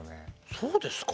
そうですか？